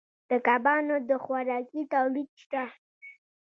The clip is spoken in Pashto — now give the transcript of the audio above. د کبانو د خوراکې تولید شته